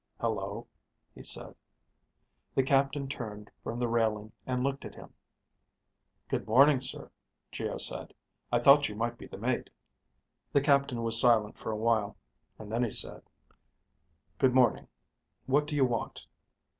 "Hello," he said. The captain turned from the railing and looked at him. "Good morning sir," Geo said. "I thought you might be the mate." The captain was silent for a while, and then said, "Good morning. What do you want?"